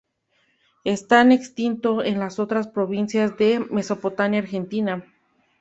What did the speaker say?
Está extinto en las otras provincias de la mesopotamia argentina.